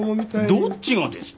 どっちがですか。